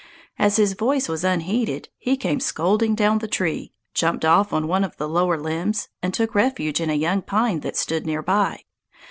As his voice was unheeded, he came scolding down the tree, jumped off one of the lower limbs, and took refuge in a young pine that stood near by.